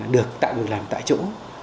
được tạo việc làm tại chỗ